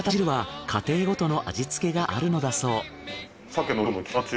なわた汁は家庭ごとの味付けがあるのだそう。